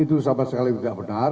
itu sama sekali tidak benar